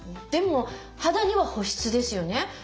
でも肌には保湿ですよね？